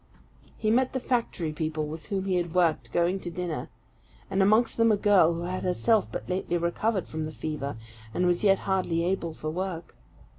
He met the factory people with whom he had worked, going to dinner, and amongst them a girl who had herself but lately recovered from the fever, and was yet hardly able for work.